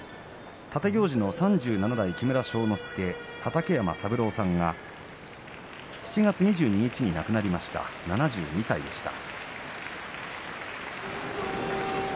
立行司の３７代木村庄之助畠山三郎さんが７月２６日に亡くなりました７２歳でした。